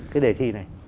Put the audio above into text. cái đề thi này